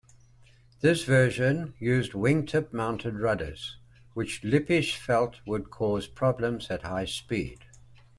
This version used wingtip-mounted rudders, which Lippisch felt would cause problems at high speed.